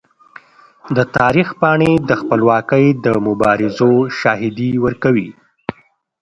د تاریخ پاڼې د خپلواکۍ د مبارزو شاهدي ورکوي.